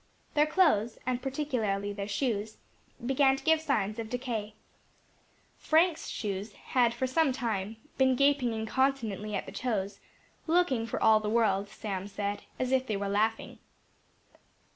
Their clothes, and particularly their shoes, began to give signs of decay. Frank's shoes had for some time been gaping incontinently at the toes, looking for all the world, Sam said, as if they were laughing.